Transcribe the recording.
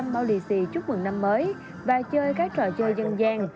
một năm trăm linh bao lì xì chúc mừng năm mới và chơi các trò chơi dân gian